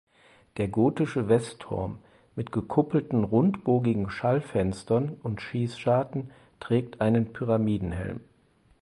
Der gotische Westturm mit gekuppelten rundbogigen Schallfenstern und Schießscharten trägt einen Pyramidenhelm.